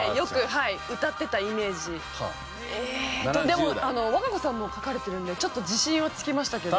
でも和歌子さんも書かれてるのでちょっと自信はつきましたけど。